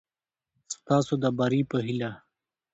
ستاسو د بري په هېله